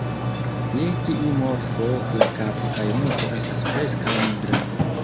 Je tiu morfo la kapo kaj nuko estas preskaŭ nigraj.